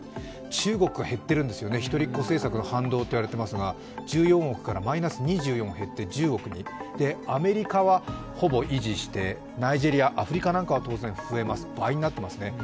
中国が減っているんですよね、一人っ子政策の反動と言われていますが１４億からマイナス２４減っているアメリカはほぼ維持して、ナイジェリア、アフリカなんかは当然増えます、倍になってますね。